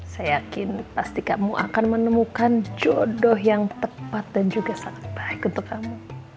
saya yakin pasti kamu akan menemukan jodoh yang tepat dan juga sangat baik untuk kamu